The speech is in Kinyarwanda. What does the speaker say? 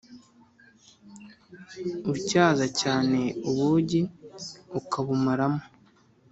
utyaza cyane ubugi, ukabumaramo.